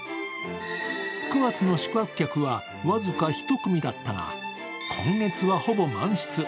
９月の宿泊客は僅か１組だったが今月はほぼ満室。